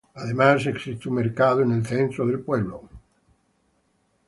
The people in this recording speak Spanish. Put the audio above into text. Además, existe un mercado en el centro del pueblo.